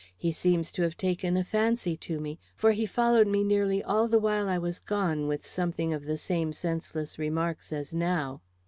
He seems to have taken a fancy to me, for he followed me nearly all the while I was gone, with something of the same senseless remarks as now."